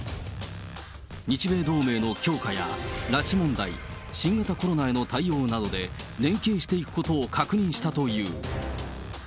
日米同盟の強化や拉致問題、新型コロナへの対応などで、連携していくことを確認したという。